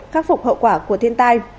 khắc phục hậu quả của thiên tai